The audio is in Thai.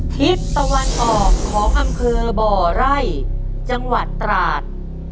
ทิศตะวันออกของอำเภอบ่อไร่จังหวัดตราด